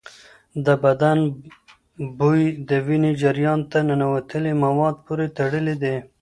د بدن بوی د وینې جریان ته ننوتلي مواد پورې تړلی دی.